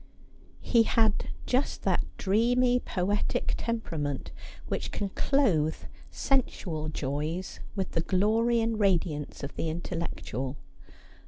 He had just that dreamy poetic temperament which can clothe sensual joys with the glory and radiance of the intellectual.